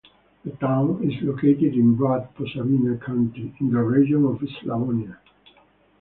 The town is located in Brod-Posavina county in the region of Slavonia.